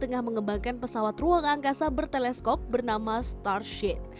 tengah mengembangkan pesawat ruang angkasa berteleskop bernama starship